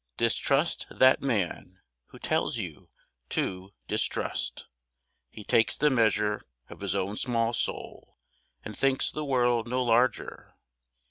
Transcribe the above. Distrust that man who tells you to distrust: He takes the measure of his own small soul, And thinks the world no larger.